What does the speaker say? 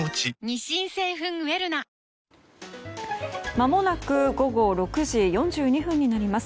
まもなく午後６時４２分になります。